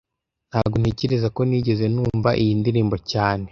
Ntago ntekereza ko nigeze numva iyi ndirimbo cyane